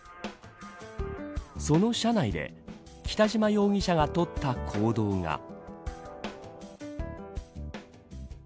その車内で北島容疑者がとった行動が。